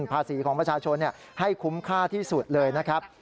ภาษีของประชาชนให้คุ้มค่าที่สุดเลยนะครับ